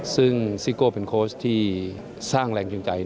ซึ่งซิโก้เป็นโค้ชที่สร้างแรงจูงใจ